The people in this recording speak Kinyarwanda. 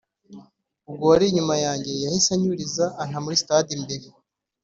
ubwo uwari inyuma yanjye yahise anyuriza anta muri stade imbere »